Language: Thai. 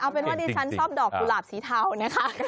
เอาเป็นว่าดิฉันชอบดอกกุหลาบสีเทานะคะ